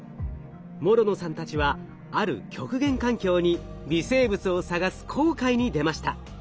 諸野さんたちはある極限環境に微生物を探す航海に出ました。